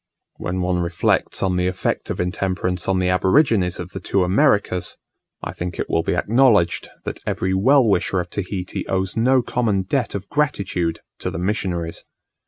When one reflects on the effect of intemperance on the aborigines of the two Americas, I think it will be acknowledged that every well wisher of Tahiti owes no common debt of gratitude to the missionaries.